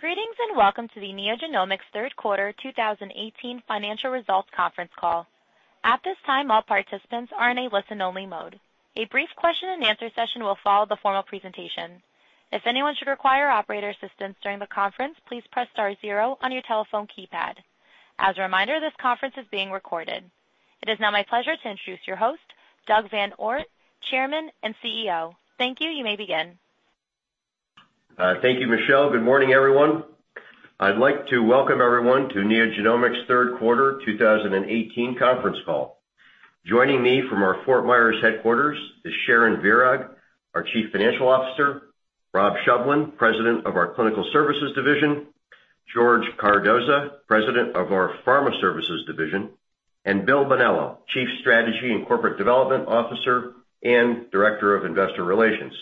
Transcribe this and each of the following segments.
Greetings and welcome to the NeoGenomics third quarter 2018 financial results conference call. At this time, all participants are in a listen-only mode. A brief question and answer session will follow the formal presentation. If anyone should require operator assistance during the conference, please press star zero on your telephone keypad. As a reminder, this conference is being recorded. It is now my pleasure to introduce your host, Doug VanOort, Chairman and CEO. Thank you. You may begin. Thank you, Michelle. Good morning, everyone. I'd like to welcome everyone to NeoGenomics' third quarter 2018 conference call. Joining me from our Fort Myers headquarters is Sharon Virag, our chief financial officer, Rob Shovlin, president of our Clinical Services division, George Cardoza, president of our Pharma Services division, and William Bonello, chief strategy and corporate development officer and director of investor relations.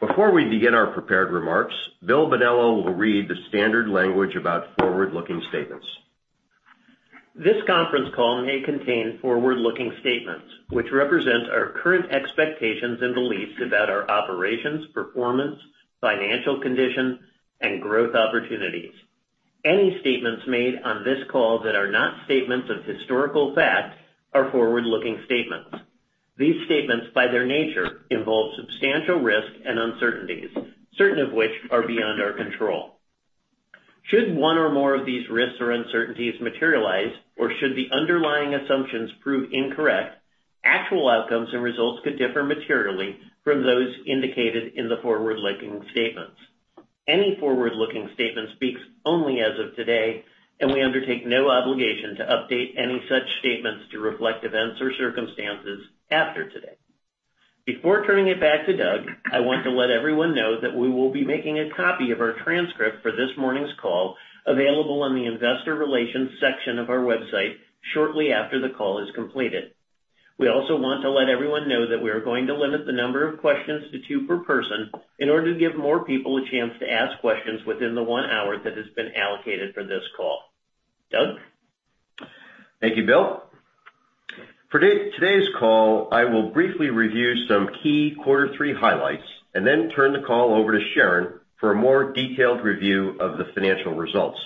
Before we begin our prepared remarks, William Bonello will read the standard language about forward-looking statements. This conference call may contain forward-looking statements, which represent our current expectations and beliefs about our operations, performance, financial condition, and growth opportunities. Any statements made on this call that are not statements of historical fact are forward-looking statements. These statements, by their nature, involve substantial risks and uncertainties, certain of which are beyond our control. Should one or more of these risks or uncertainties materialize, or should the underlying assumptions prove incorrect, actual outcomes and results could differ materially from those indicated in the forward-looking statements. Any forward-looking statement speaks only as of today, we undertake no obligation to update any such statements to reflect events or circumstances after today. Before turning it back to Doug, I want to let everyone know that we will be making a copy of our transcript for this morning's call available on the investor relations section of our website shortly after the call is completed. We also want to let everyone know that we are going to limit the number of questions to two per person in order to give more people a chance to ask questions within the one hour that has been allocated for this call. Doug? Thank you, Bill. For today's call, I will briefly review some key quarter three highlights and then turn the call over to Sharon for a more detailed review of the financial results.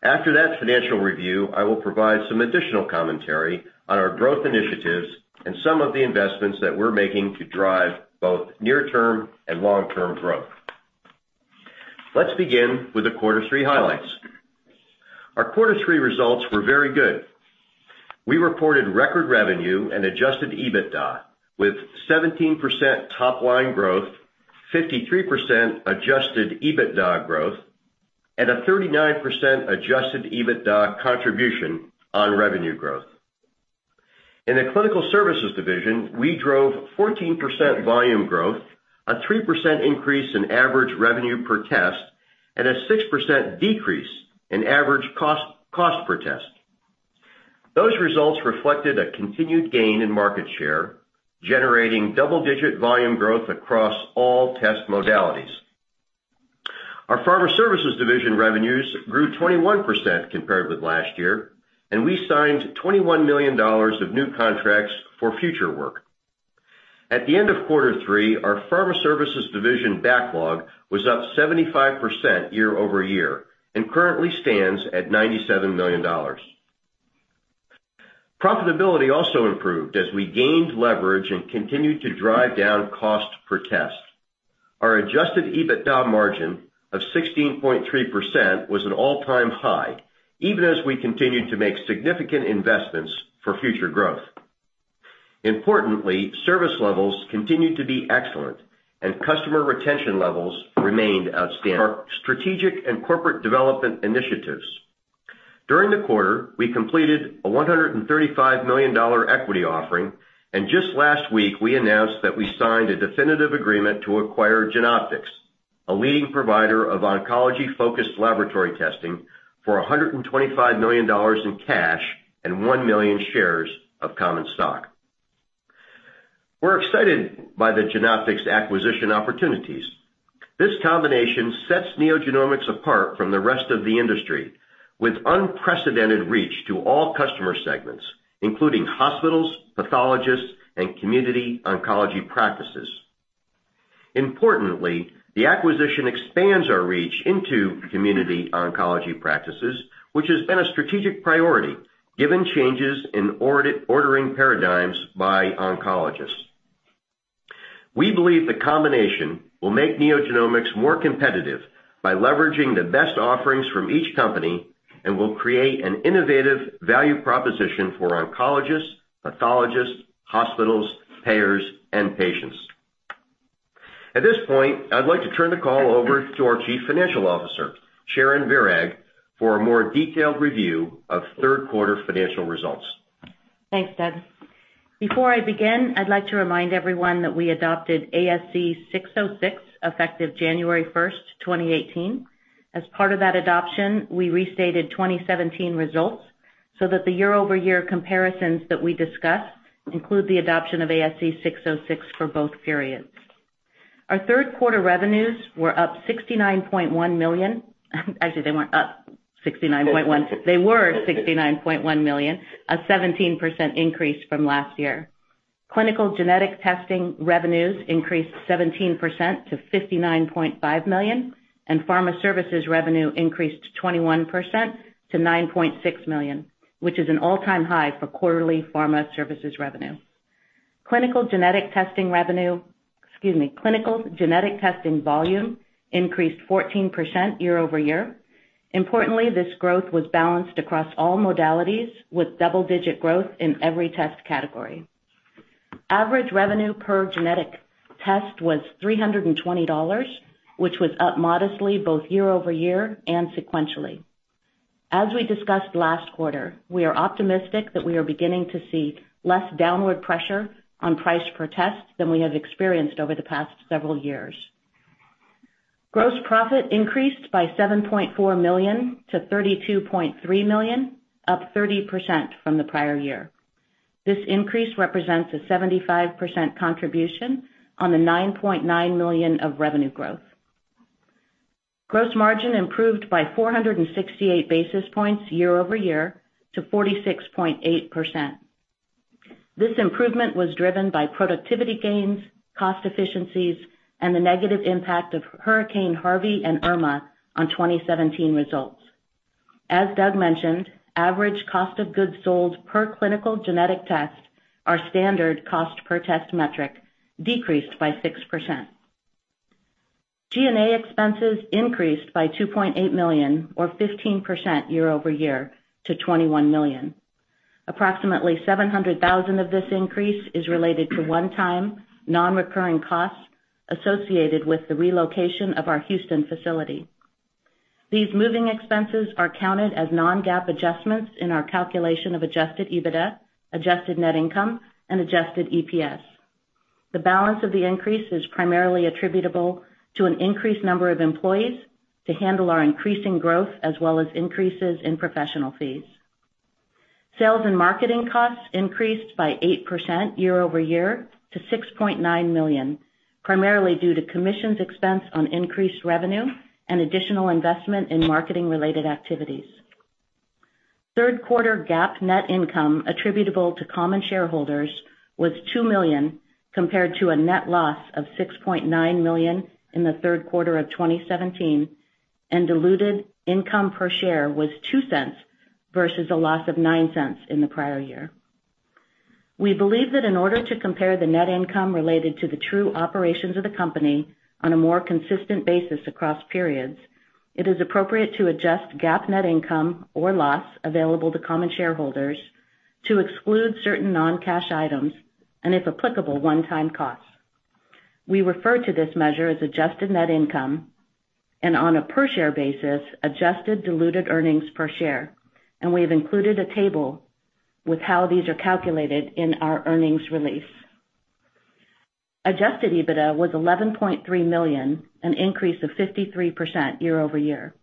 After that financial review, I will provide some additional commentary on our growth initiatives and some of the investments that we're making to drive both near-term and long-term growth. Let's begin with the quarter three highlights. Our quarter three results were very good. We reported record revenue and adjusted EBITDA with 17% top-line growth, 53% adjusted EBITDA growth, and a 39% adjusted EBITDA contribution on revenue growth. In the Clinical Services division, we drove 14% volume growth, a 3% increase in average revenue per test, and a 6% decrease in average cost per test. Those results reflected a continued gain in market share, generating double-digit volume growth across all test modalities. Our Pharma Services division revenues grew 21% compared with last year, and we signed $21 million of new contracts for future work. At the end of quarter three, our Pharma Services division backlog was up 75% year-over-year and currently stands at $97 million. Profitability also improved as we gained leverage and continued to drive down cost per test. Our adjusted EBITDA margin of 16.3% was an all-time high, even as we continued to make significant investments for future growth. Importantly, service levels continued to be excellent, and customer retention levels remained outstanding. Our strategic and corporate development initiatives. During the quarter, we completed a $135 million equity offering, and just last week, we announced that we signed a definitive agreement to acquire Genoptix, a leading provider of oncology-focused laboratory testing, for $125 million in cash and 1 million shares of common stock. We're excited by the Genoptix acquisition opportunities. This combination sets NeoGenomics apart from the rest of the industry with unprecedented reach to all customer segments, including hospitals, pathologists, and community oncology practices. Importantly, the acquisition expands our reach into community oncology practices, which has been a strategic priority given changes in ordering paradigms by oncologists. We believe the combination will make NeoGenomics more competitive by leveraging the best offerings from each company and will create an innovative value proposition for oncologists, pathologists, hospitals, payers, and patients. At this point, I'd like to turn the call over to our Chief Financial Officer, Sharon Virag, for a more detailed review of third quarter financial results. Thanks, Doug. Before I begin, I'd like to remind everyone that we adopted ASC 606, effective January 1st, 2018. As part of that adoption, we restated 2017 results so that the year-over-year comparisons that we discussed include the adoption of ASC 606 for both periods. Our third quarter revenues were up $69.1 million. Actually, they weren't up $69.1 million. They were $69.1 million, a 17% increase from last year. Clinical genetic testing revenues increased 17% to $59.5 million, and Pharma Services revenue increased 21% to $9.6 million, which is an all-time high for quarterly Pharma Services revenue. Clinical genetic testing revenue, excuse me, clinical genetic testing volume increased 14% year-over-year. Importantly, this growth was balanced across all modalities with double-digit growth in every test category. Average revenue per genetic test was $320, which was up modestly, both year-over-year and sequentially. As we discussed last quarter, we are optimistic that we are beginning to see less downward pressure on price per test than we have experienced over the past several years. Gross profit increased by $7.4 million to $32.3 million, up 30% from the prior year. This increase represents a 75% contribution on the $9.9 million of revenue growth. Gross margin improved by 468 basis points year-over-year to 46.8%. This improvement was driven by productivity gains, cost efficiencies, and the negative impact of Hurricane Harvey and Hurricane Irma on 2017 results. As Doug mentioned, average cost of goods sold per clinical genetic test, our standard cost per test metric, decreased by 6%. G&A expenses increased by $2.8 million or 15% year-over-year to $21 million. Approximately $700,000 of this increase is related to one-time non-recurring costs associated with the relocation of our Houston facility. These moving expenses are counted as non-GAAP adjustments in our calculation of adjusted EBITDA, adjusted net income, and adjusted EPS. The balance of the increase is primarily attributable to an increased number of employees to handle our increasing growth, as well as increases in professional fees. Sales and marketing costs increased by 8% year-over-year to $6.9 million, primarily due to commissions expense on increased revenue and additional investment in marketing-related activities. Third quarter GAAP net income attributable to common shareholders was $2 million, compared to a net loss of $6.9 million in the third quarter of 2017, and diluted income per share was $0.02 versus a loss of $0.09 in the prior year. We believe that in order to compare the net income related to the true operations of the company on a more consistent basis across periods, it is appropriate to adjust GAAP net income or loss available to common shareholders to exclude certain non-cash items and, if applicable, one-time costs. We refer to this measure as adjusted net income and on a per share basis, adjusted diluted earnings per share, and we have included a table with how these are calculated in our earnings release. Adjusted EBITDA was $11.3 million, an increase of 53% year-over-year.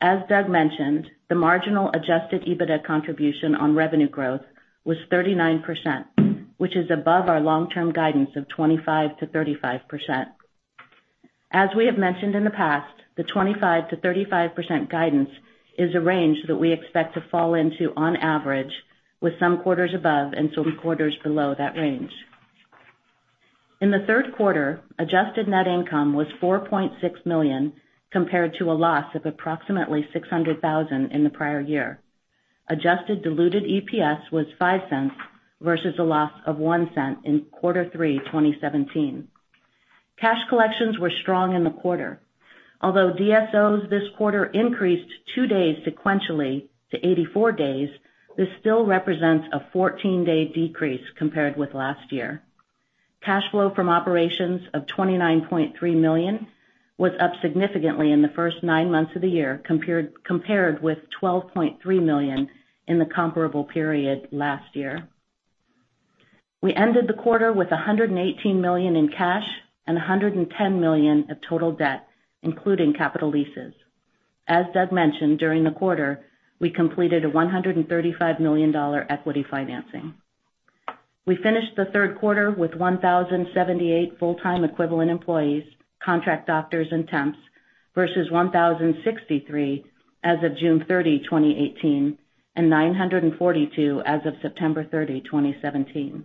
As Doug mentioned, the marginal adjusted EBITDA contribution on revenue growth was 39%, which is above our long-term guidance of 25%-35%. As we have mentioned in the past, the 25%-35% guidance is a range that we expect to fall into on average, with some quarters above and some quarters below that range. In the third quarter, adjusted net income was $4.6 million, compared to a loss of approximately $600,000 in the prior year. Adjusted diluted EPS was $0.05 versus a loss of $0.01 in quarter three 2017. Cash collections were strong in the quarter. Although DSOs this quarter increased two days sequentially to 84 days, this still represents a 14-day decrease compared with last year. Cash flow from operations of $29.3 million was up significantly in the first nine months of the year compared with $12.3 million in the comparable period last year. We ended the quarter with $118 million in cash and $110 million of total debt, including capital leases. As Doug mentioned, during the quarter, we completed a $135 million equity financing. We finished the third quarter with 1,078 full-time equivalent employees, contract doctors, and temps versus 1,063 as of June 30, 2018, and 942 as of September 30, 2017.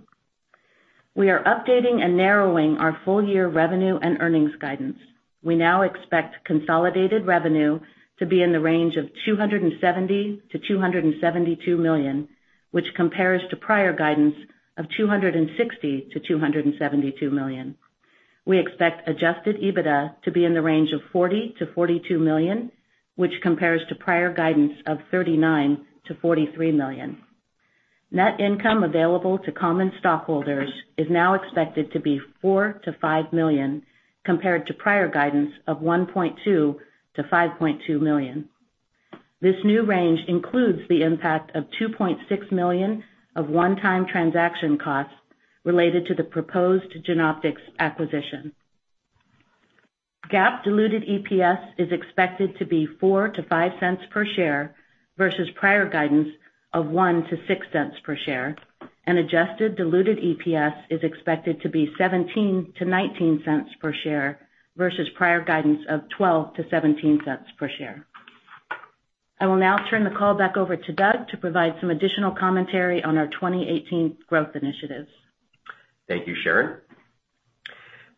We are updating and narrowing our full year revenue and earnings guidance. We now expect consolidated revenue to be in the range of $270 million-$272 million, which compares to prior guidance of $260 million-$272 million. We expect adjusted EBITDA to be in the range of $40 million-$42 million, which compares to prior guidance of $39 million-$43 million. Net income available to common stockholders is now expected to be $4 million-$5 million, compared to prior guidance of $1.2 million-$5.2 million. This new range includes the impact of $2.6 million of one-time transaction costs related to the proposed Genoptix acquisition. GAAP diluted EPS is expected to be $0.04-$0.05 per share versus prior guidance of $0.01-$0.06 per share. Adjusted diluted EPS is expected to be $0.17-$0.19 per share versus prior guidance of $0.12-$0.17 per share. I will now turn the call back over to Doug to provide some additional commentary on our 2018 growth initiatives. Thank you, Sharon.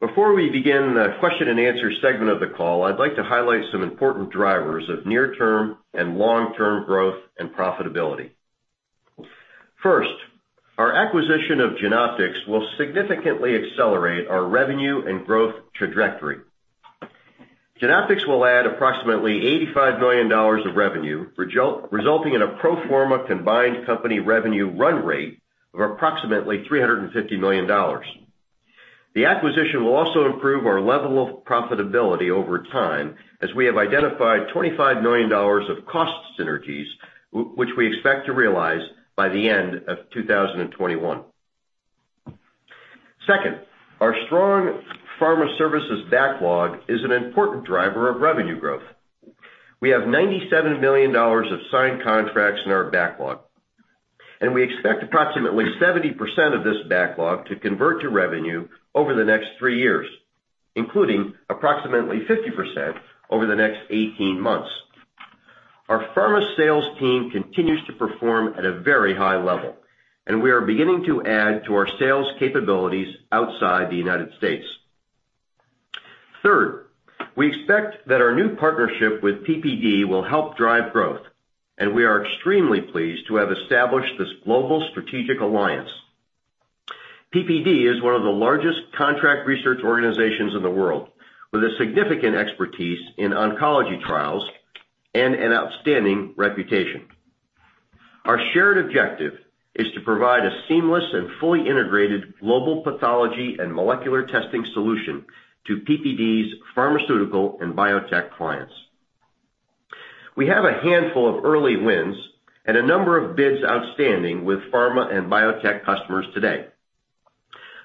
Before we begin the question and answer segment of the call, I'd like to highlight some important drivers of near-term and long-term growth and profitability. First, our acquisition of Genoptix will significantly accelerate our revenue and growth trajectory. Genoptix will add approximately $85 million of revenue, resulting in a pro forma combined company revenue run rate of approximately $350 million. The acquisition will also improve our level of profitability over time, as we have identified $25 million of cost synergies, which we expect to realize by the end of 2021. Second, our strong Pharma Services backlog is an important driver of revenue growth. We have $97 million of signed contracts in our backlog, and we expect approximately 70% of this backlog to convert to revenue over the next three years, including approximately 50% over the next 18 months. Our Pharma sales team continues to perform at a very high level, and we are beginning to add to our sales capabilities outside the United States. Third, we expect that our new partnership with PPD will help drive growth, and we are extremely pleased to have established this global strategic alliance. PPD is one of the largest contract research organizations in the world, with a significant expertise in oncology trials and an outstanding reputation. Our shared objective is to provide a seamless and fully integrated global pathology and molecular testing solution to PPD's pharmaceutical and biotech clients. We have a handful of early wins and a number of bids outstanding with pharma and biotech customers today.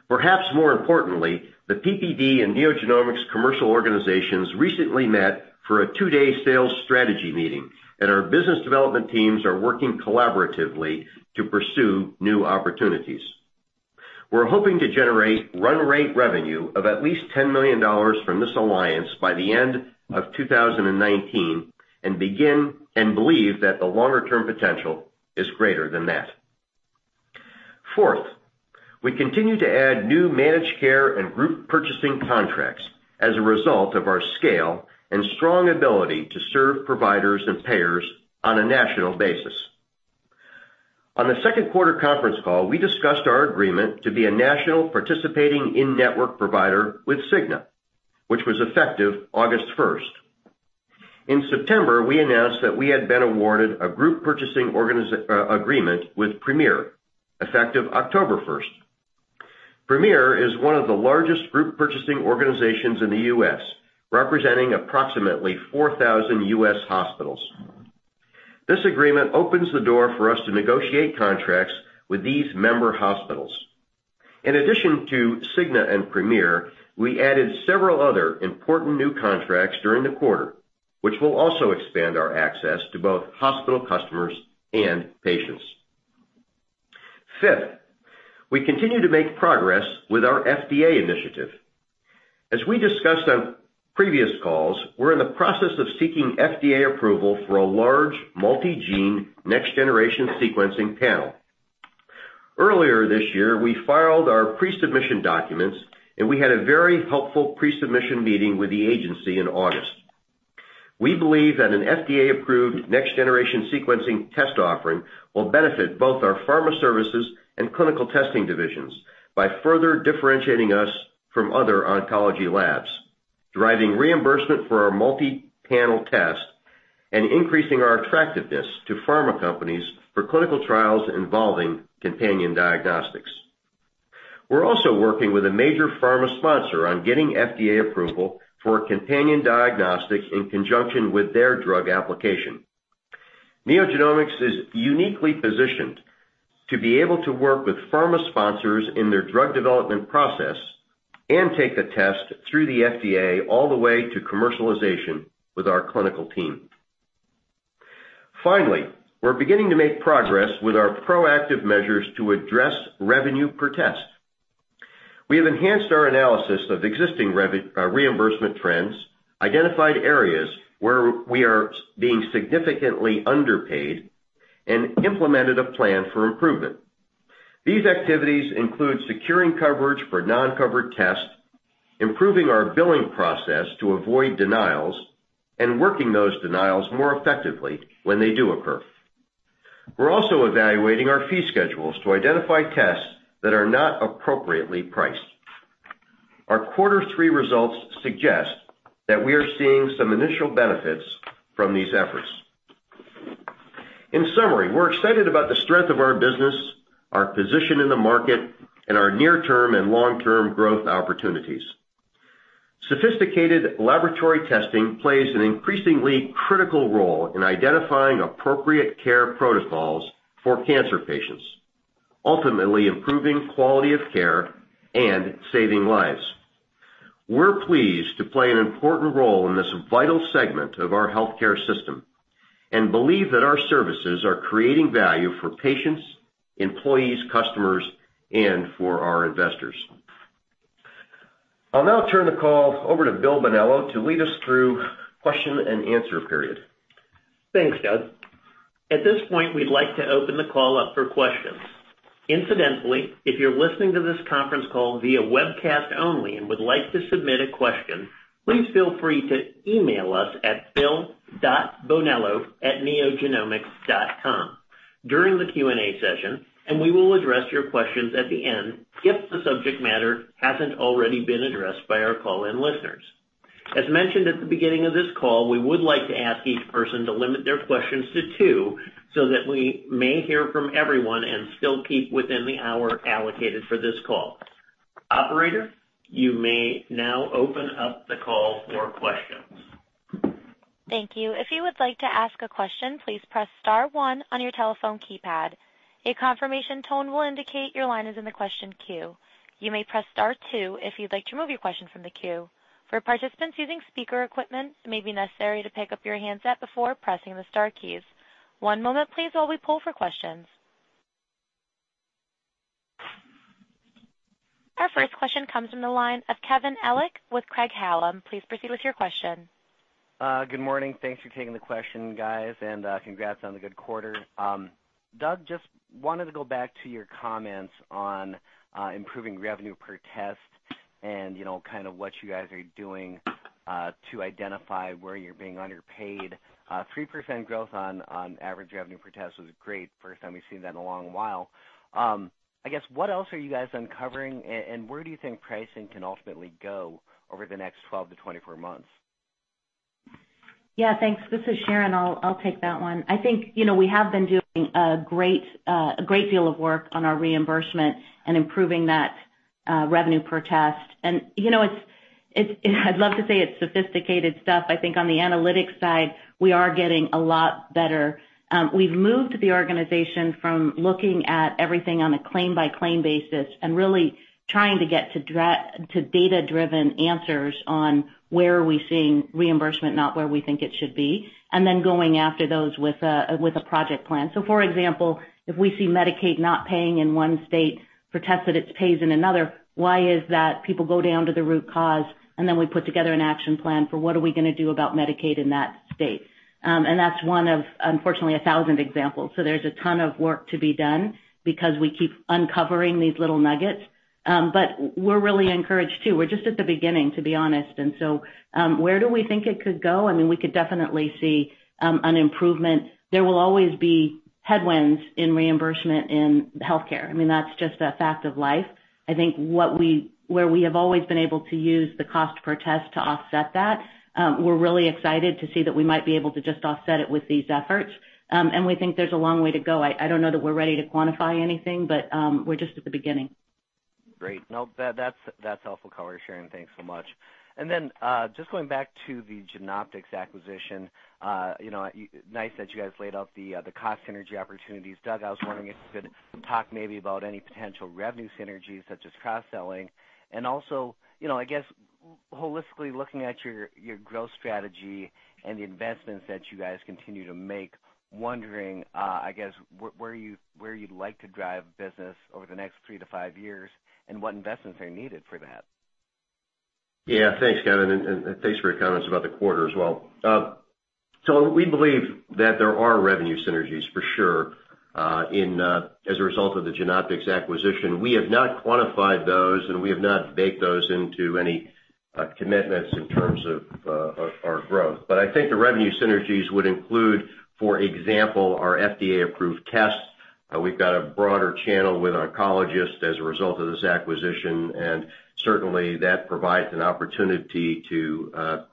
Perhaps more importantly, the PPD and NeoGenomics commercial organizations recently met for a two-day sales strategy meeting, and our business development teams are working collaboratively to pursue new opportunities. We're hoping to generate run-rate revenue of at least $10 million from this alliance by the end of 2019, and believe that the longer-term potential is greater than that. Fourth, we continue to add new managed care and group purchasing contracts as a result of our scale and strong ability to serve providers and payers on a national basis. On the second quarter conference call, we discussed our agreement to be a national participating in-network provider with Cigna, which was effective August 1st. In September, we announced that we had been awarded a group purchasing agreement with Premier, effective October 1st. Premier is one of the largest group purchasing organizations in the U.S., representing approximately 4,000 U.S. hospitals. This agreement opens the door for us to negotiate contracts with these member hospitals. In addition to Cigna and Premier, we added several other important new contracts during the quarter, which will also expand our access to both hospital customers and patients. Fifth, we continue to make progress with our FDA initiative. As we discussed on previous calls, we're in the process of seeking FDA approval for a large multi-gene next-generation sequencing panel. Earlier this year, we filed our pre-submission documents, and we had a very helpful pre-submission meeting with the agency in August. We believe that an FDA-approved next-generation sequencing test offering will benefit both our Pharma Services and clinical testing divisions by further differentiating us from other oncology labs, driving reimbursement for our multi-panel test, and increasing our attractiveness to pharma companies for clinical trials involving companion diagnostics. We're also working with a major pharma sponsor on getting FDA approval for a companion diagnostic in conjunction with their drug application. NeoGenomics is uniquely positioned to be able to work with pharma sponsors in their drug development process and take the test through the FDA all the way to commercialization with our clinical team. Finally, we're beginning to make progress with our proactive measures to address revenue per test. We have enhanced our analysis of existing reimbursement trends, identified areas where we are being significantly underpaid, and implemented a plan for improvement. These activities include securing coverage for non-covered tests, improving our billing process to avoid denials, and working those denials more effectively when they do occur. We're also evaluating our fee schedules to identify tests that are not appropriately priced. Our quarter three results suggest that we are seeing some initial benefits from these efforts. In summary, we're excited about the strength of our business, our position in the market, and our near-term and long-term growth opportunities. Sophisticated laboratory testing plays an increasingly critical role in identifying appropriate care protocols for cancer patients, ultimately improving quality of care and saving lives. We're pleased to play an important role in this vital segment of our healthcare system and believe that our services are creating value for patients, employees, customers, and for our investors. I'll now turn the call over to Bill Bonello to lead us through question and answer period. Thanks, Doug. At this point, we'd like to open the call up for questions. Incidentally, if you're listening to this conference call via webcast only and would like to submit a question, please feel free to email us at bill.bonello@neogenomics.com during the Q&A session, and we will address your questions at the end if the subject matter hasn't already been addressed by our call-in listeners. As mentioned at the beginning of this call, we would like to ask each person to limit their questions to two so that we may hear from everyone and still keep within the hour allocated for this call. Operator, you may now open up the call for questions. Thank you. If you would like to ask a question, please press star one on your telephone keypad. A confirmation tone will indicate your line is in the question queue. You may press star two if you'd like to remove your question from the queue. For participants using speaker equipment, it may be necessary to pick up your handset before pressing the star keys. One moment please, while we poll for questions. Our first question comes from the line of Kevin Ellich with Craig-Hallum. Please proceed with your question. Good morning. Thanks for taking the question, guys, and congrats on the good quarter. Doug, just wanted to go back to your comments on improving revenue per test and kind of what you guys are doing to identify where you're being underpaid. 3% growth on average revenue per test was great. First time we've seen that in a long while. I guess, what else are you guys uncovering and where do you think pricing can ultimately go over the next 12 to 24 months? Thanks. This is Sharon. I'll take that one. I think we have been doing a great deal of work on our reimbursement and improving that revenue per test. I'd love to say it's sophisticated stuff. I think on the analytics side, we are getting a lot better. We've moved the organization from looking at everything on a claim-by-claim basis and really trying to get to data-driven answers on where are we seeing reimbursement not where we think it should be, and then going after those with a project plan. For example, if we see Medicaid not paying in one state for tests that it pays in another, why is that? People go down to the root cause, and then we put together an action plan for what are we going to do about Medicaid in that state. That's one of, unfortunately, a 1,000 examples. There's a ton of work to be done because we keep uncovering these little nuggets. We're really encouraged, too. We're just at the beginning, to be honest. Where do we think it could go? We could definitely see an improvement. There will always be headwinds in reimbursement in healthcare. That's just a fact of life. I think where we have always been able to use the cost per test to offset that, we're really excited to see that we might be able to just offset it with these efforts. We think there's a long way to go. I don't know that we're ready to quantify anything, but we're just at the beginning. Great. No, that's helpful color, Sharon. Thanks so much. Just going back to the Genoptix acquisition. Nice that you guys laid out the cost synergy opportunities. Doug, I was wondering if you could talk maybe about any potential revenue synergies such as cross-selling. Also, I guess, holistically looking at your growth strategy and the investments that you guys continue to make, wondering, I guess, where you'd like to drive business over the next three to five years, and what investments are needed for that. Yeah. Thanks, Kevin, and thanks for your comments about the quarter as well. We believe that there are revenue synergies for sure as a result of the Genoptix acquisition. We have not quantified those, and we have not baked those into any commitments in terms of our growth. I think the revenue synergies would include, for example, our FDA-approved tests. We've got a broader channel with oncologists as a result of this acquisition, and certainly that provides an opportunity to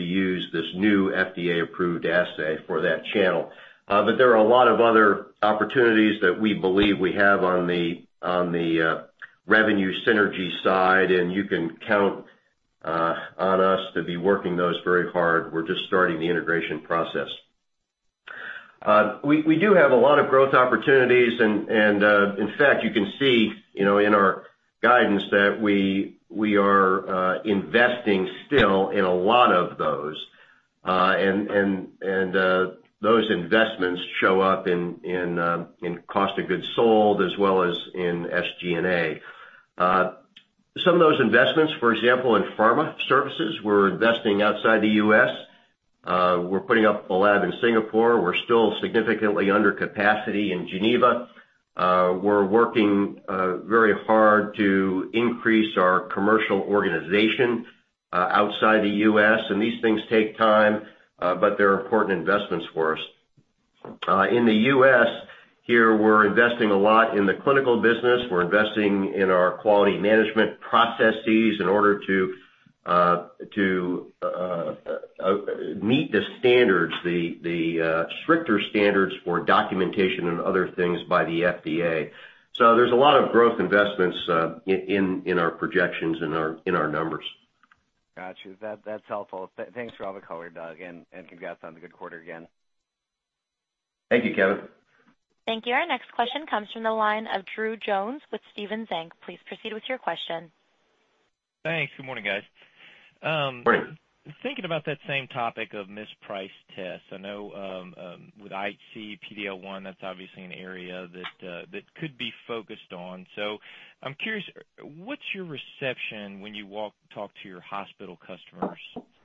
use this new FDA-approved assay for that channel. There are a lot of other opportunities that we believe we have on the revenue synergy side, and you can count on us to be working those very hard. We're just starting the integration process. We do have a lot of growth opportunities, you can see in our guidance that we are investing still in a lot of those. Those investments show up in cost of goods sold as well as in SG&A. Some of those investments, for example, in Pharma Services, we're investing outside the U.S. We're putting up a lab in Singapore. We're still significantly under capacity in Geneva. We're working very hard to increase our commercial organization outside the U.S., and these things take time, they're important investments for us. In the U.S. here, we're investing a lot in the clinical business. We're investing in our quality management processes in order to meet the standards, the stricter standards for documentation and other things by the FDA. There's a lot of growth investments in our projections, in our numbers. Got you. That's helpful. Thanks for all the color, Doug. Congrats on the good quarter again. Thank you, Kevin. Thank you. Our next question comes from the line of Drew Jones with Stephens Inc. Please proceed with your question. Thanks. Good morning, guys Great. Thinking about that same topic of mispriced tests. I know, with IHC PD-L1, that's obviously an area that could be focused on. I'm curious, what's your reception when you talk to your hospital customers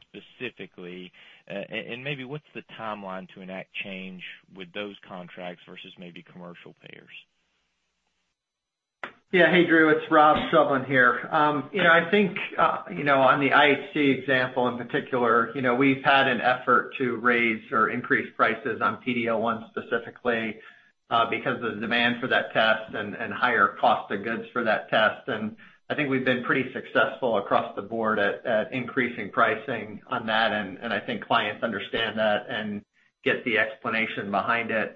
specifically? Maybe what's the timeline to enact change with those contracts versus maybe commercial payers? Yeah. Hey, Drew, it's Rob Shovlin here. I think, on the IHC example, in particular, we've had an effort to raise or increase prices on PD-L1 specifically, because of the demand for that test and higher cost of goods for that test. I think we've been pretty successful across the board at increasing pricing on that, and I think clients understand that and get the explanation behind it.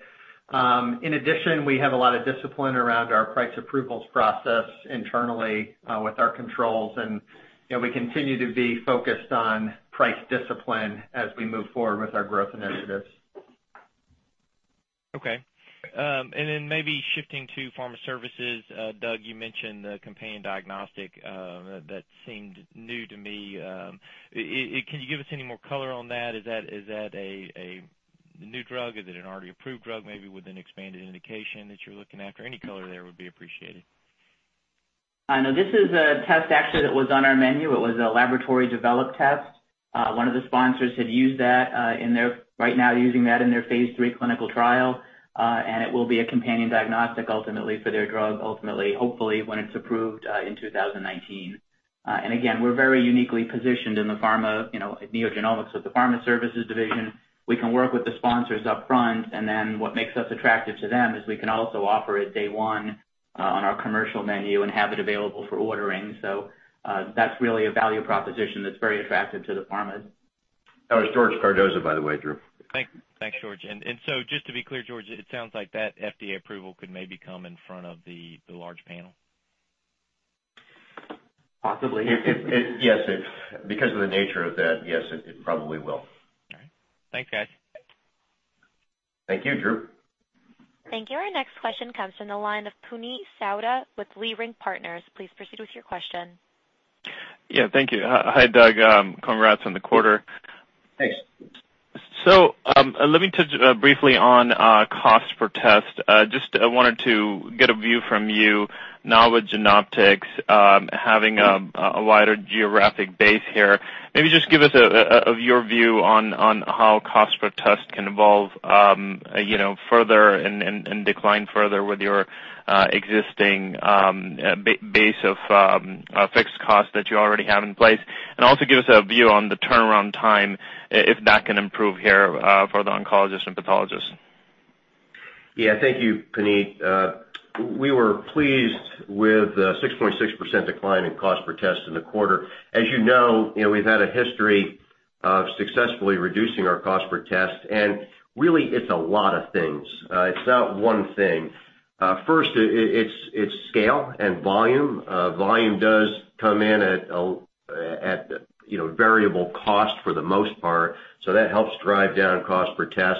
In addition, we have a lot of discipline around our price approvals process internally, with our controls. We continue to be focused on price discipline as we move forward with our growth initiatives. Okay. Maybe shifting to Pharma Services. Doug, you mentioned the companion diagnostic, that seemed new to me. Can you give us any more color on that? Is that a new drug? Is it an already approved drug, maybe with an expanded indication that you're looking at, or any color there would be appreciated. No. This is a test actually that was on our menu. It was a laboratory-developed test. Right now they're using that in their phase III clinical trial. It will be a companion diagnostic ultimately for their drug, ultimately, hopefully when it's approved, in 2019. Again, we're very uniquely positioned in the pharma, at NeoGenomics with the Pharma Services division. We can work with the sponsors upfront, and then what makes us attractive to them is we can also offer it day one on our commercial menu and have it available for ordering. That's really a value proposition that's very attractive to the pharmas. That was George Cardoza, by the way, Drew. Thanks, George. Just to be clear, George, it sounds like that FDA approval could maybe come in front of the large panel. Possibly. Yes, because of the nature of that, yes, it probably will. All right. Thanks, guys. Thank you, Drew. Thank you. Our next question comes from the line of Puneet Souda with Leerink Partners. Please proceed with your question. Yeah, thank you. Hi, Doug. Congrats on the quarter. Thanks. Let me touch briefly on, cost per test. Just wanted to get a view from you now with Genoptix, having a wider geographic base here. Maybe just give us your view on how cost per test can evolve further and decline further with your existing base of fixed costs that you already have in place. Also give us a view on the turnaround time, if that can improve here, for the oncologist and pathologist. Yeah. Thank you, Puneet. We were pleased with the 6.6% decline in cost per test in the quarter. As you know, we've had a history of successfully reducing our cost per test, and really it's a lot of things. It's not one thing. First, it's scale and volume. Volume does come in at variable cost for the most part. That helps drive down cost per test.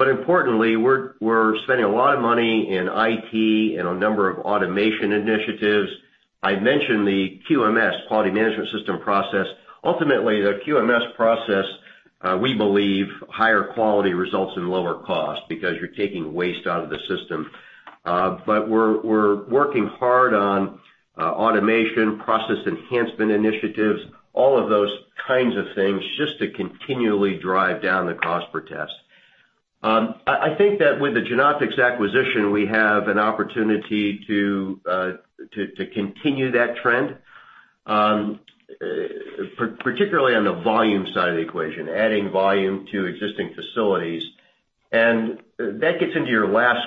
Importantly, we're spending a lot of money in IT and a number of automation initiatives. I mentioned the QMS, quality management system process. Ultimately, the QMS process, we believe higher quality results in lower cost because you're taking waste out of the system. We're working hard on automation, process enhancement initiatives, all of those kinds of things, just to continually drive down the cost per test. I think that with the Genoptix acquisition, we have an opportunity to continue that trend, particularly on the volume side of the equation, adding volume to existing facilities. That gets into your last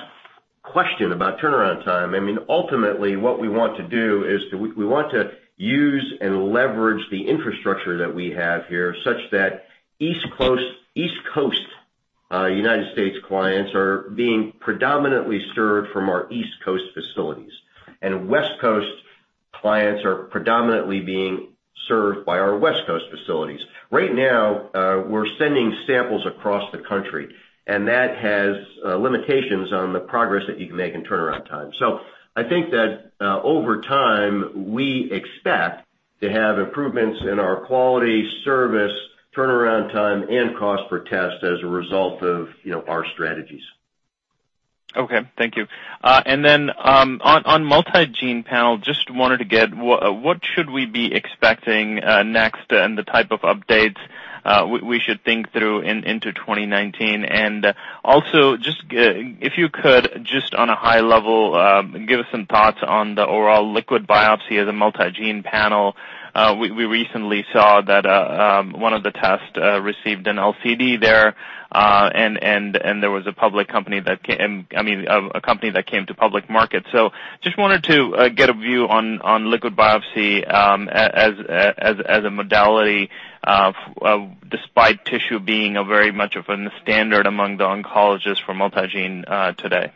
question about turnaround time. Ultimately, what we want to do is we want to use and leverage the infrastructure that we have here, such that East Coast United States clients are being predominantly served from our East Coast facilities. West Coast clients are predominantly being served by our West Coast facilities. Right now, we're sending samples across the country, and that has limitations on the progress that you can make in turnaround time. I think that, over time, we expect to have improvements in our quality, service, turnaround time, and cost per test as a result of our strategies. Okay, thank you. Then, on multi-gene panel, just wanted to get what should we be expecting next and the type of updates we should think through into 2019? Also, if you could, just on a high level, give us some thoughts on the overall liquid biopsy as a multi-gene panel. We recently saw that one of the tests received an LCD there, and there was a company that came to public market. Just wanted to get a view on liquid biopsy as a modality despite tissue being very much of a standard among the oncologists for multi-gene today.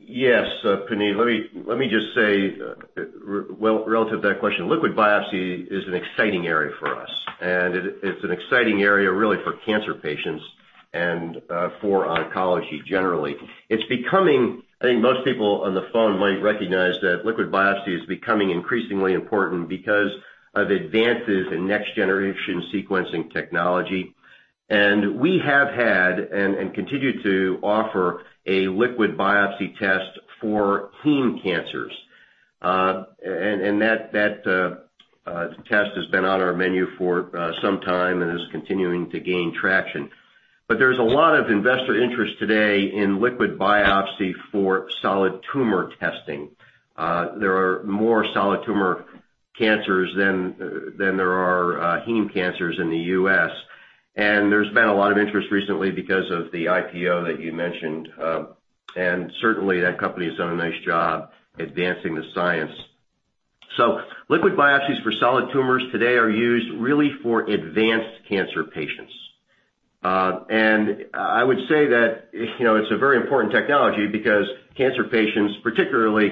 Yes, Puneet. Let me just say, relative to that question, liquid biopsy is an exciting area for us, and it's an exciting area really for cancer patients and for oncology generally. I think most people on the phone might recognize that liquid biopsy is becoming increasingly important because of advances in next-generation sequencing technology. We have had and continue to offer a liquid biopsy test for heme cancers. That test has been on our menu for some time and is continuing to gain traction. There's a lot of investor interest today in liquid biopsy for solid tumor testing. There are more solid tumor cancers than there are heme cancers in the U.S., and there's been a lot of interest recently because of the IPO that you mentioned. Certainly that company has done a nice job advancing the science. Liquid biopsies for solid tumors today are used really for advanced cancer patients. I would say that it's a very important technology because cancer patients, particularly,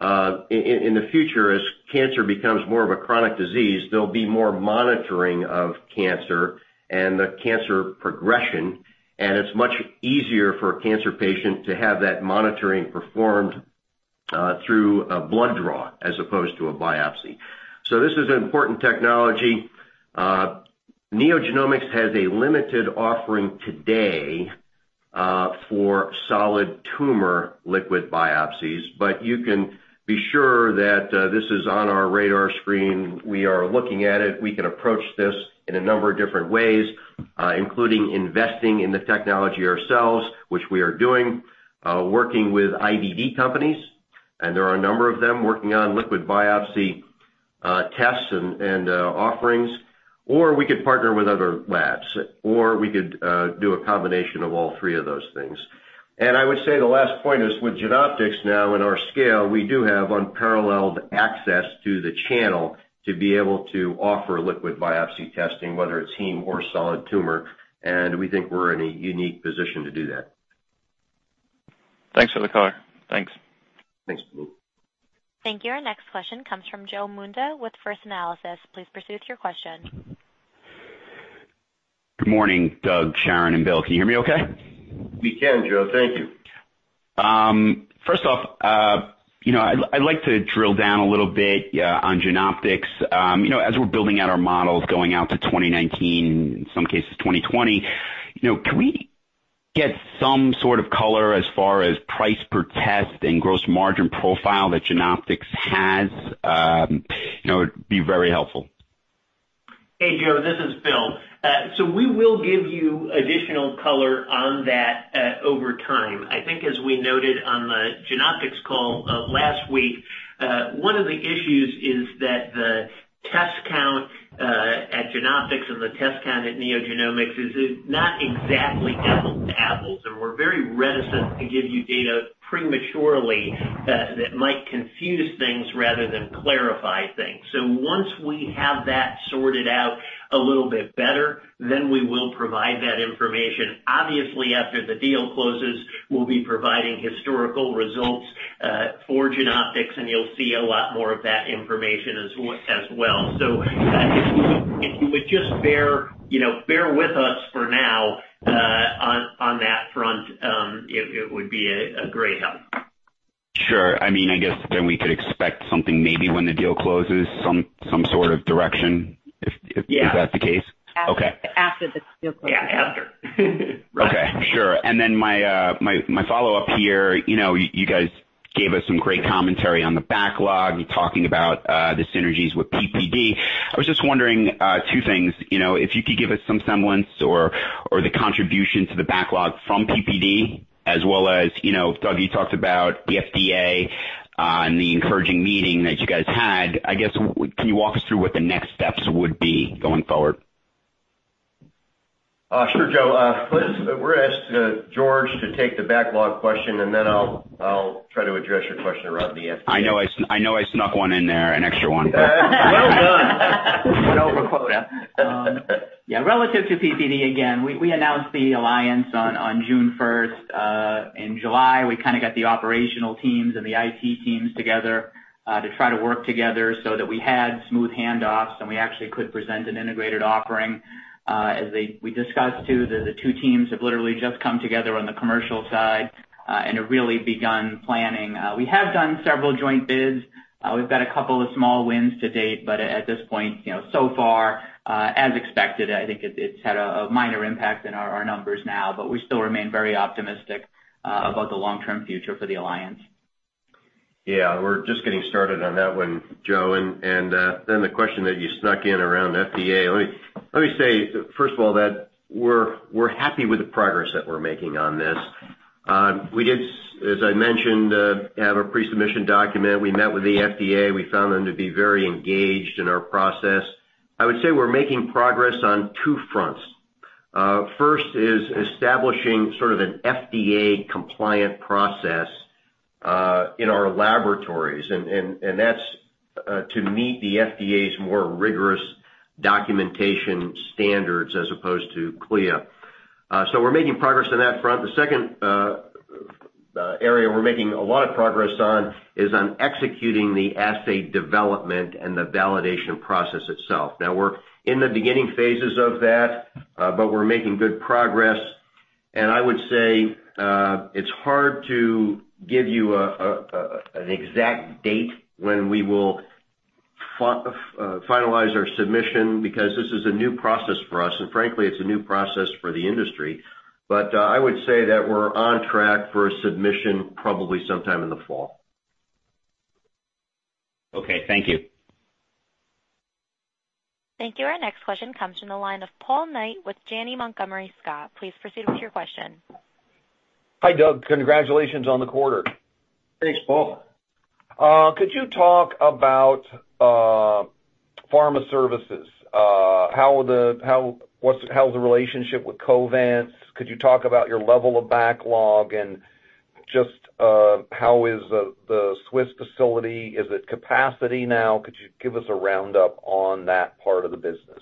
in the future, as cancer becomes more of a chronic disease, there'll be more monitoring of cancer and the cancer progression. It's much easier for a cancer patient to have that monitoring performed through a blood draw as opposed to a biopsy. This is an important technology. NeoGenomics has a limited offering today for solid tumor liquid biopsies, but you can be sure that this is on our radar screen. We are looking at it. We can approach this in a number of different ways, including investing in the technology ourselves, which we are doing, working with IVD companies, and there are a number of them working on liquid biopsy tests and offerings. We could partner with other labs, or we could do a combination of all three of those things. I would say the last point is with Genoptix now in our scale, we do have unparalleled access to the channel to be able to offer liquid biopsy testing, whether it's heme or solid tumor, and we think we're in a unique position to do that. Thanks for the color. Thanks. Thanks. Thank you. Our next question comes from Joseph Munda with First Analysis. Please proceed with your question. Good morning, Doug, Sharon, and Bill. Can you hear me okay? We can, Joe. Thank you. First off, I'd like to drill down a little bit on Genoptix. As we're building out our models going out to 2019, in some cases 2020, can we get some sort of color as far as price per test and gross margin profile that Genoptix has? It'd be very helpful. Hey, Joe. This is Bill. We will give you additional color on that over time. I think as we noted on the Genoptix call last week, one of the issues is that the test count at Genoptix and the test count at NeoGenomics is not exactly apples to apples, and we're very reticent to give you data prematurely that might confuse things rather than clarify things. Once we have that sorted out a little bit better, then we will provide that information. Obviously, after the deal closes, we'll be providing historical results for Genoptix, and you'll see a lot more of that information as well. If you would just bear with us for now on that front, it would be a great help. Sure. I guess then we could expect something maybe when the deal closes, some sort of direction. Yeah Is that the case? Okay. After the deal closes. Yeah, after. Okay, sure. My follow-up here, you guys gave us some great commentary on the backlog, talking about the synergies with PPD. I was just wondering two things. If you could give us some semblance or the contribution to the backlog from PPD as well as, Doug, you talked about the FDA and the encouraging meeting that you guys had. I guess, can you walk us through what the next steps would be going forward? Sure, Joe. We're going to ask George to take the backlog question. I'll try to address your question around the FDA. I know I snuck one in there, an extra one. Well done. You went over quota. Yeah. Relative to PPD, again, we announced the alliance on June 1st. In July, we got the operational teams and the IT teams together to try to work together so that we had smooth handoffs and we actually could present an integrated offering. As we discussed too, the two teams have literally just come together on the commercial side and have really begun planning. We have done several joint bids. We've got a couple of small wins to date, but at this point, so far, as expected, I think it's had a minor impact in our numbers now, but we still remain very optimistic about the long-term future for the alliance. Yeah, we're just getting started on that one, Joe. The question that you snuck in around FDA, let me say, first of all, that we're happy with the progress that we're making on this. We did, as I mentioned, have a pre-submission document. We met with the FDA. We found them to be very engaged in our process. I would say we're making progress on two fronts. First is establishing sort of an FDA-compliant process in our laboratories, and that's to meet the FDA's more rigorous documentation standards as opposed to CLIA. We're making progress on that front. The second area we're making a lot of progress on is on executing the assay development and the validation process itself. We're in the beginning phases of that, but we're making good progress. I would say, it's hard to give you an exact date when we will finalize our submission, because this is a new process for us, and frankly, it's a new process for the industry. I would say that we're on track for a submission probably sometime in the fall. Okay. Thank you. Thank you. Our next question comes from the line of Paul Knight with Janney Montgomery Scott. Please proceed with your question. Hi, Doug. Congratulations on the quarter. Thanks, Paul. Could you talk about Pharma Services? How's the relationship with Covance? Could you talk about your level of backlog and just how is the Swiss facility? Is it capacity now? Could you give us a roundup on that part of the business?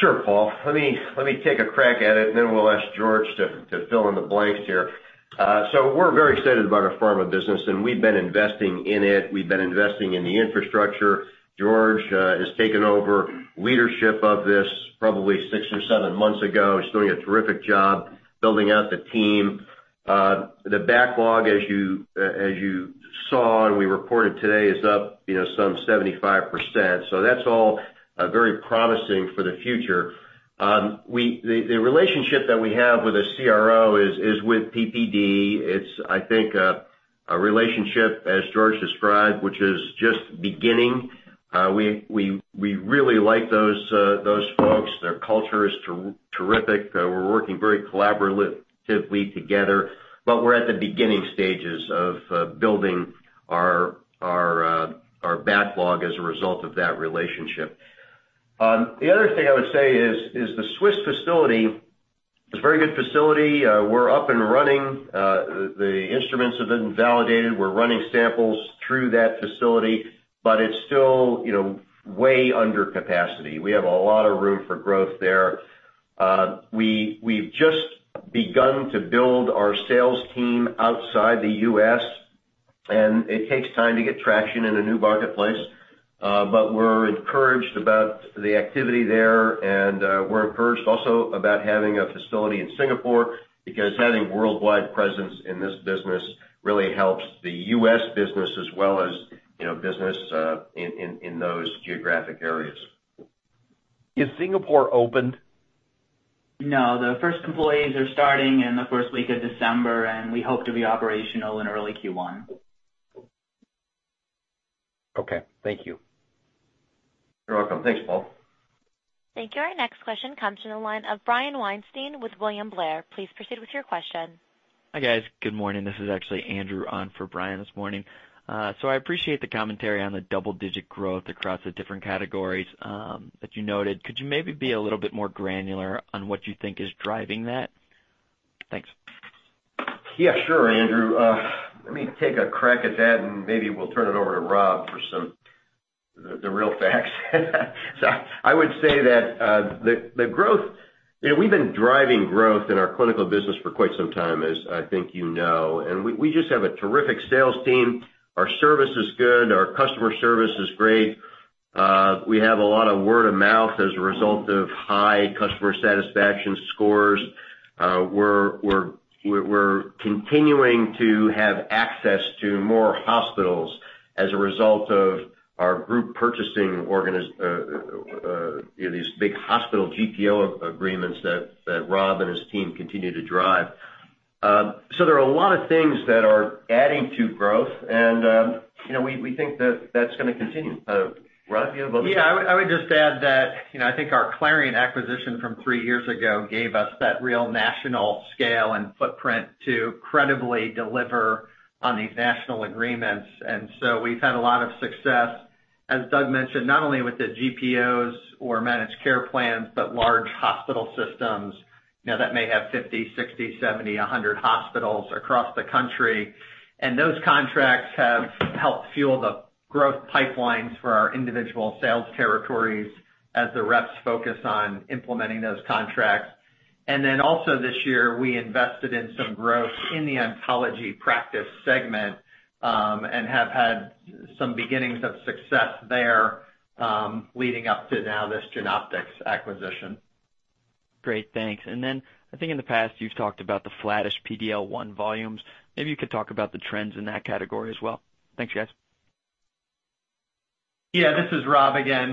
Sure, Paul. Let me take a crack at it, and then we'll ask George to fill in the blanks here. We're very excited about our pharma business, and we've been investing in it. We've been investing in the infrastructure. George has taken over leadership of this probably six or seven months ago. He's doing a terrific job building out the team. The backlog, as you saw and we reported today, is up some 75%. That's all very promising for the future. The relationship that we have with a CRO is with PPD. It's, I think, a relationship, as George described, which is just beginning. We really like those folks. Their culture is terrific. We're working very collaboratively together, but we're at the beginning stages of building our backlog as a result of that relationship. The other thing I would say is the Swiss facility is a very good facility. We're up and running. The instruments have been validated. We're running samples through that facility, but it's still way under capacity. We have a lot of room for growth there. We've just begun to build our sales team outside the U.S., and it takes time to get traction in a new marketplace. We're encouraged about the activity there, and we're encouraged also about having a facility in Singapore, because having worldwide presence in this business really helps the U.S. business as well as business in those geographic areas. Is Singapore opened? No. The first employees are starting in the first week of December, and we hope to be operational in early Q1. Okay. Thank you. You're welcome. Thanks, Paul. Thank you. Our next question comes from the line of Brian Weinstein with William Blair. Please proceed with your question. Hi, guys. Good morning. This is actually Andrew on for Brian this morning. I appreciate the commentary on the double-digit growth across the different categories that you noted. Could you maybe be a little bit more granular on what you think is driving that? Thanks. Sure, Andrew. Let me take a crack at that and maybe we'll turn it over to Rob for the real facts. I would say that the growth We've been driving growth in our Clinical Services business for quite some time, as I think you know, and we just have a terrific sales team. Our service is good. Our customer service is great. We have a lot of word of mouth as a result of high customer satisfaction scores. We're continuing to have access to more hospitals as a result of our group purchasing organization these big hospital GPO agreements that Rob and his team continue to drive. There are a lot of things that are adding to growth and we think that that's going to continue. Rob, do you have something? I would just add that I think our Clarient acquisition from three years ago gave us that real national scale and footprint to credibly deliver on these national agreements. We've had a lot of success, as Doug mentioned, not only with the GPOs or managed care plans, large hospital systems that may have 50, 60, 70, 100 hospitals across the country. Those contracts have helped fuel the growth pipelines for our individual sales territories as the reps focus on implementing those contracts. Also this year, we invested in some growth in the oncology practice segment and have had some beginnings of success there leading up to now this Genoptix acquisition. Great. Thanks. I think in the past you've talked about the flattish PD-L1 volumes. Maybe you could talk about the trends in that category as well. Thanks, guys. This is Rob again.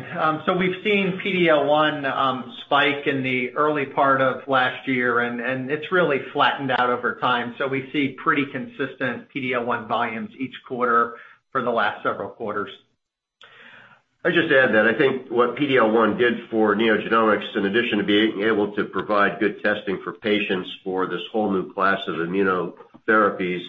We've seen PD-L1 spike in the early part of last year, and it's really flattened out over time. We see pretty consistent PD-L1 volumes each quarter for the last several quarters. I'd just add that I think what PD-L1 did for NeoGenomics, in addition to being able to provide good testing for patients for this whole new class of immunotherapies,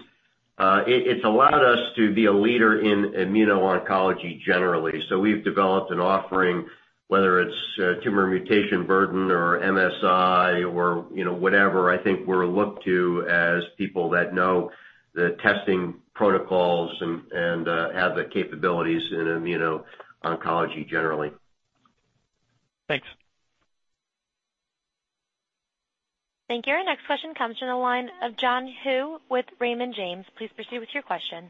it's allowed us to be a leader in immuno-oncology generally. We've developed an offering, whether it's tumor mutational burden or MSI or whatever, I think we're looked to as people that know the testing protocols and have the capabilities in immuno-oncology generally. Thanks. Thank you. Our next question comes from the line of John Hsu with Raymond James. Please proceed with your question.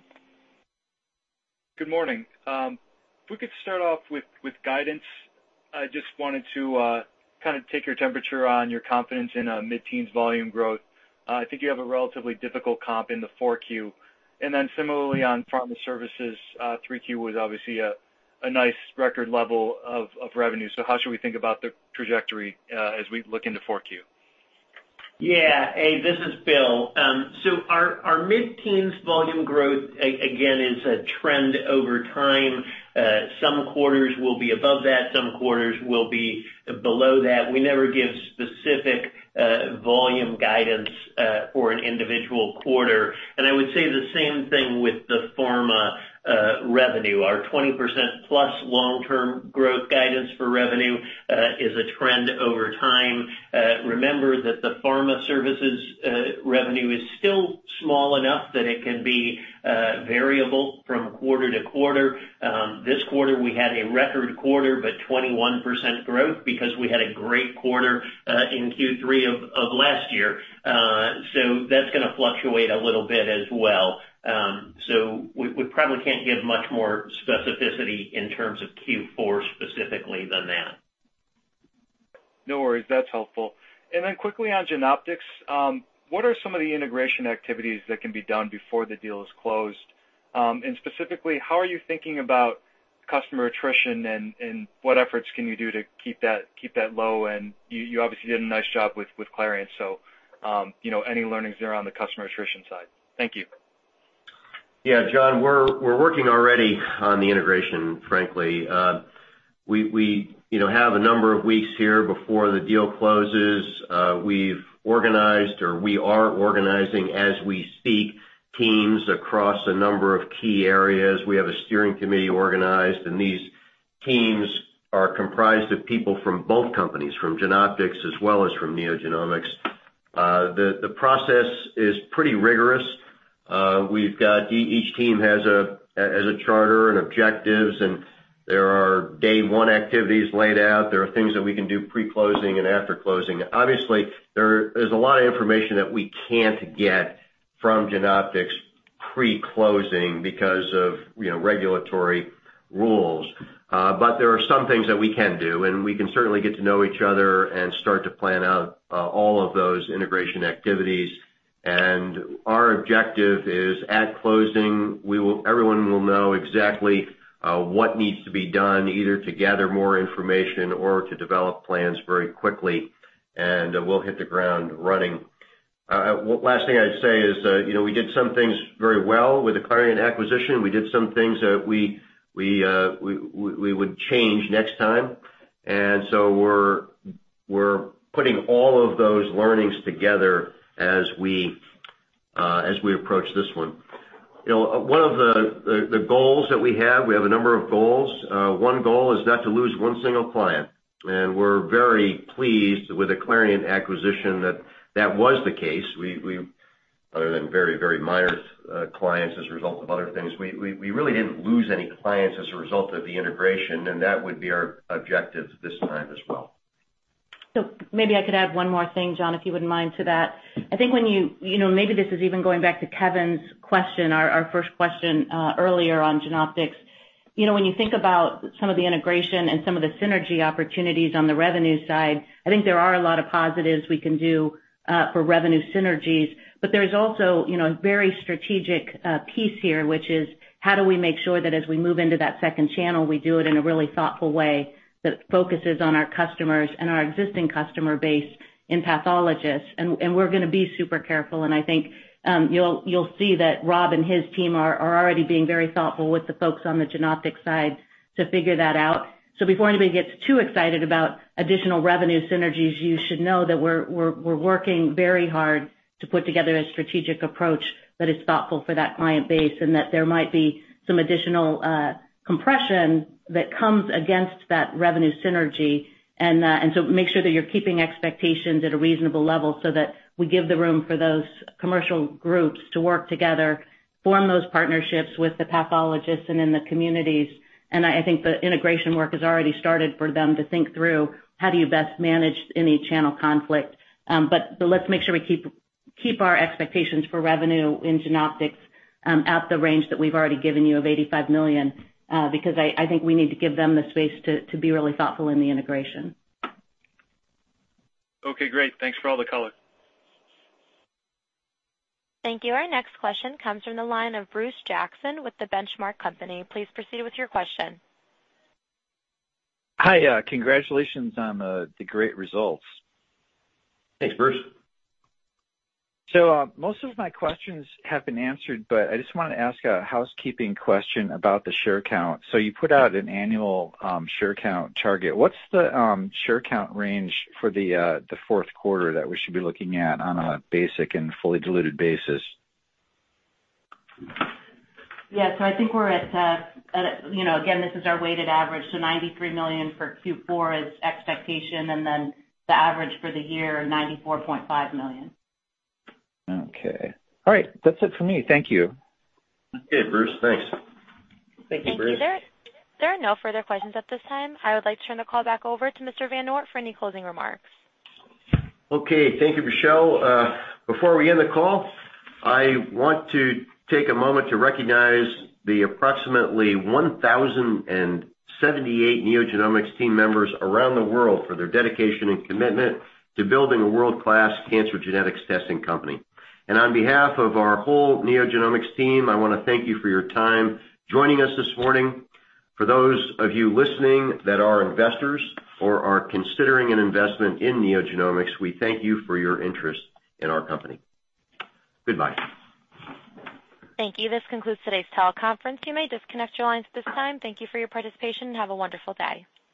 Good morning. If we could start off with guidance, I just wanted to take your temperature on your confidence in mid-teens volume growth. I think you have a relatively difficult comp in the 4Q. Similarly on Pharma Services, 3Q was obviously a nice record level of revenue. How should we think about the trajectory as we look into 4Q? Hey, this is Bill. Our mid-teens volume growth, again, is a trend over time. Some quarters will be above that, some quarters will be below that. We never give specific volume guidance for an individual quarter. I would say the same thing with the Pharma revenue. Our 20% plus long-term growth guidance for revenue is a trend over time. Remember that the Pharma Services revenue is still small enough that it can be variable from quarter to quarter. This quarter, we had a record quarter, but 21% growth because we had a great quarter in Q3 of last year. That's going to fluctuate a little bit as well. We probably can't give much more specificity in terms of Q4 specifically than that. No worries. That's helpful. Quickly on Genoptix, what are some of the integration activities that can be done before the deal is closed? Specifically, how are you thinking about customer attrition and what efforts can you do to keep that low? You obviously did a nice job with Clarient, so any learnings there on the customer attrition side? Thank you. Yeah, John, we're working already on the integration, frankly. We have a number of weeks here before the deal closes. We've organized, or we are organizing as we speak, teams across a number of key areas. We have a steering committee organized. These teams are comprised of people from both companies, from Genoptix as well as from NeoGenomics. The process is pretty rigorous. Each team has a charter and objectives. There are day one activities laid out. There are things that we can do pre-closing and after closing. Obviously, there's a lot of information that we can't get from Genoptix pre-closing because of regulatory rules. There are some things that we can do. We can certainly get to know each other and start to plan out all of those integration activities. Our objective is at closing, everyone will know exactly what needs to be done, either to gather more information or to develop plans very quickly. We'll hit the ground running. Last thing I'd say is we did some things very well with the Clarient acquisition. We did some things that we would change next time. We're putting all of those learnings together as we approach this one. One of the goals that we have, we have a number of goals. One goal is not to lose one single client. We're very pleased with the Clarient acquisition that that was the case. Other than very, very minor clients as a result of other things, we really didn't lose any clients as a result of the integration. That would be our objective this time as well. Maybe I could add one more thing, John, if you wouldn't mind, to that. I think when you, maybe this is even going back to Kevin's question, our first question earlier on Genoptix. When you think about some of the integration and some of the synergy opportunities on the revenue side, I think there are a lot of positives we can do for revenue synergies. There's also a very strategic piece here, which is how do we make sure that as we move into that second channel, we do it in a really thoughtful way that focuses on our customers and our existing customer base in pathologists. We're going to be super careful. I think you'll see that Rob and his team are already being very thoughtful with the folks on the Genoptix side to figure that out. Before anybody gets too excited about additional revenue synergies, you should know that we're working very hard to put together a strategic approach that is thoughtful for that client base and that there might be some additional compression that comes against that revenue synergy. Make sure that you're keeping expectations at a reasonable level so that we give the room for those commercial groups to work together, form those partnerships with the pathologists and in the communities. I think the integration work has already started for them to think through how do you best manage any channel conflict. Let's make sure we keep our expectations for revenue in Genoptix at the range that we've already given you of $85 million, because I think we need to give them the space to be really thoughtful in the integration. Okay, great. Thanks for all the color. Thank you. Our next question comes from the line of Bruce Jackson with The Benchmark Company. Please proceed with your question. Hi. Congratulations on the great results. Thanks, Bruce. Most of my questions have been answered, but I just want to ask a housekeeping question about the share count. You put out an annual share count target. What's the share count range for the fourth quarter that we should be looking at on a basic and fully diluted basis? Yeah. I think we're at, again, this is our weighted average. 93 million for Q4 is expectation. The average for the year, 94.5 million. Okay. All right. That's it for me. Thank you. Okay, Bruce. Thanks. Thank you, Bruce. Thank you. There are no further questions at this time. I would like to turn the call back over to Mr. VanOort for any closing remarks. Okay. Thank you, Michelle. Before we end the call, I want to take a moment to recognize the approximately 1,078 NeoGenomics team members around the world for their dedication and commitment to building a world-class cancer genetics testing company. On behalf of our whole NeoGenomics team, I want to thank you for your time joining us this morning. For those of you listening that are investors or are considering an investment in NeoGenomics, we thank you for your interest in our company. Goodbye. Thank you. This concludes today's teleconference. You may disconnect your lines at this time. Thank you for your participation, and have a wonderful day.